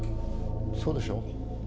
そうでしょう？